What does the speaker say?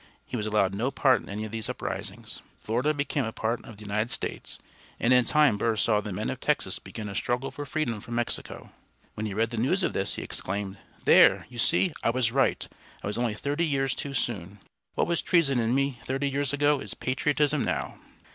He was allowed no part in any of these uprisings. Florida became a part of the United States, and in time Burr saw the men of Texas begin a struggle for freedom from Mexico. When he read the news of this, he exclaimed, "There! You see! I was right! I was only thirty years too soon. What was treason in me thirty years ago is patriotism now!"